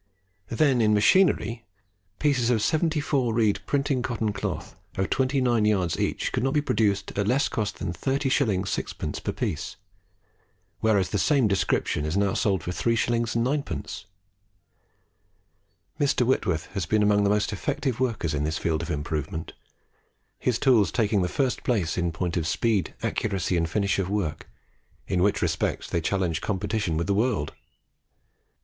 Then in machinery, pieces of 74 reed printing cotton cloth of 29 yards each could not be produced at less cost than 30s. 6d. per piece; whereas the same description is now sold for 3s. 9d. Mr. Whitworth has been among the most effective workers in this field of improvement, his tools taking the first place in point of speed, accuracy, and finish of work, in which respects they challenge competition with the world.